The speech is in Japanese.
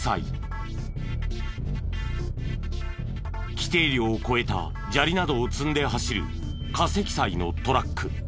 規定量を超えた砂利などを積んで走る過積載のトラック。